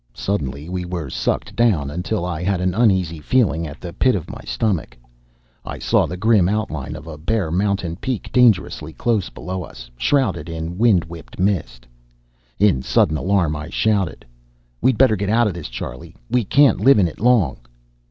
Suddenly we were sucked down until I had an uneasy feeling at the pit of my stomach. I saw the grim outline of a bare mountain peak dangerously close below us, shrouded in wind whipped mist. In sudden alarm I shouted, "We'd better get out of this, Charlie! We can't live in it long!"